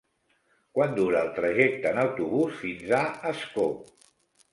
Quant dura el trajecte en autobús fins a Ascó?